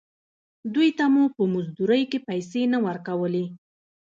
دوې ته مو په مزدورۍ کښې پيسې نه ورکولې.